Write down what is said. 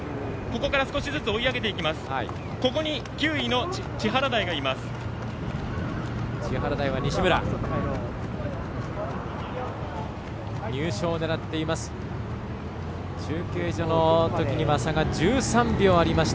ここに９位の千原台がいます。